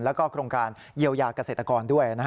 แล้วก็โครงการเยียวยาเกษตรกรด้วย